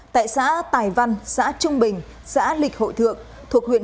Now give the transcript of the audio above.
tại xã tài văn xã trung bình xã lịch hội thượng